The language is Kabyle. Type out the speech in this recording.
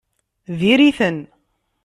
Diri-ten!